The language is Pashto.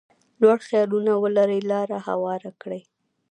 لوړ خیالونه ولري لاره هواره کړي.